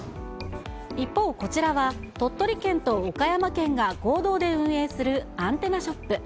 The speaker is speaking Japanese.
一方、こちらは鳥取県と岡山県が合同で運営するアンテナショップ。